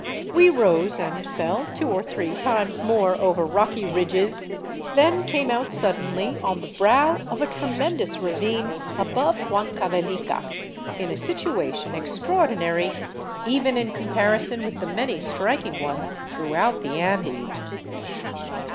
We rose and fell two or hree times more over rocky ridges, then came out suddenly on the irow of a tremendous ravine above Huancavelica, in a situation ex raordinary even in comparison with the many striking ones throughout he Andes.